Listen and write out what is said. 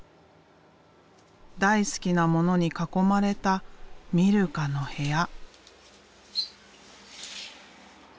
大好きなものに囲まれたミルカの部屋。